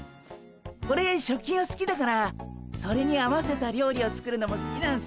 オレ食器がすきだからそれに合わせた料理を作るのもすきなんすよ。